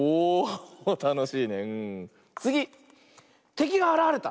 てきがあらわれた。